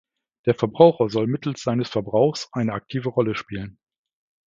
Der Verbraucher soll mittels seines Verbrauchs eine aktive Rolle spielen.